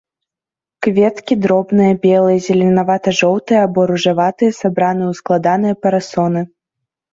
Кветкі дробныя белыя, зелянява-жоўтыя або ружаватыя, сабраны ў складаныя парасоны.